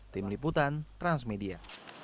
tim liputan transmedia